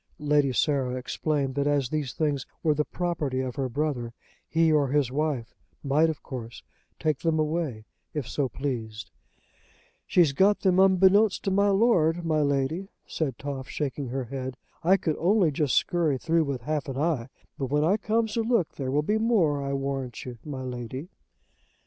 Lady Sarah explained that as these things were the property of her brother, he or his wife might of course take them away if so pleased. "She's got 'em unbeknownst to my Lord, my Lady," said Toff, shaking her head. "I could only just scurry through with half an eye; but when I comes to look there will be more, I warrant you, my Lady."